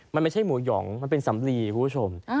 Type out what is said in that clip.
มันไม่ใช่หมูหยองมันเป็นสำลีคุณผู้ชม